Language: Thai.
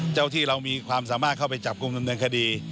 ที่เรามีความสามารถเข้าไปจับกลุ่มดำเนินคดี